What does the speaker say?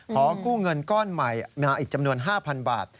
ขอกู้เงินก้อนใหม่มาอีกจำนวน๕๐๐๐บาท